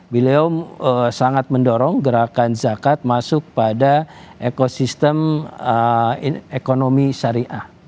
beliau sangat mendorong gerakan zakat masuk pada ekosistem ekonomi syariah